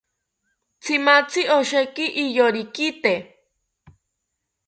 Tzimatzi osheki iyorikite